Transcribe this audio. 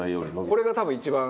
これが多分一番。